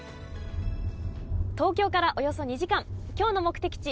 東京からおよそ２時間今日の目的地